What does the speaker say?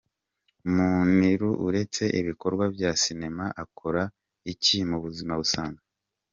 Muniru uretse ibikorwa bya sinema akora iki mu buzima busanzwe?.